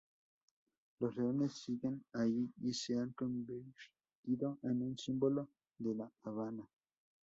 Los Leones siguen ahí y se han convertido en un símbolo de La Habana.